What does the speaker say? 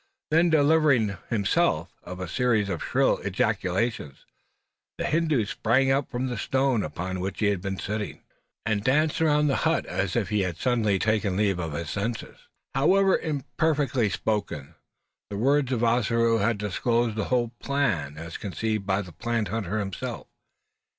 Then delivering himself of a series of shrill ejaculations, the Hindoo sprang up from the stone upon which he had been sitting, and danced around the hut, as if he had suddenly taken leave of his senses! However imperfectly spoken, the words of Ossaroo had disclosed the whole plan, as conceived by the plant hunter himself.